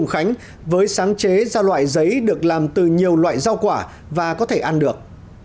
khánh với sáng chế ra loại giấy được làm từ nhiều loại rau quả và có thể ăn được